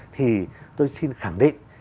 thì tôi xin khẳng định